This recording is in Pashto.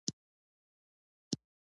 اوښ د افغانانو د ژوند طرز ډېر اغېزمنوي.